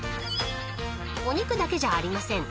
［お肉だけじゃありません］